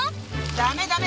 ダメダメ。